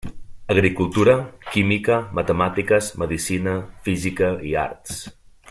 Agricultura, Química, Matemàtiques, Medicina, Física, i Arts.